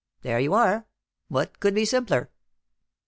There you are! What could be simpler?"